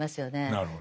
なるほど。